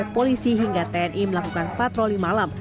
polisi hingga tni melakukan patroli malam